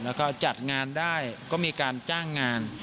แล้วก็จัดงานได้ก็มีการจ้างงาน